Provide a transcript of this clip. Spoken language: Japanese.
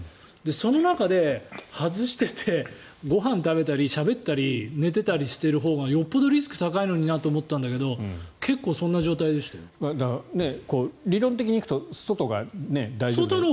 その中で外しててご飯食べたり、しゃべったり寝てたりしてるほうがよっぽどリスクが高いのになと思ったんだけど理論的に行くと外が大丈夫で。